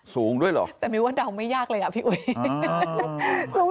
สูงด้วยเหรอแต่มิวว่าเดาไม่ยากเลยอ่ะพี่อุ๋ย